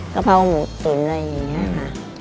กะเพราหมูตุ๋นอะไรอย่างนี้ค่ะ